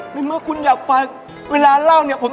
ไม่มีอะไรของเราเล่าส่วนฟังครับพี่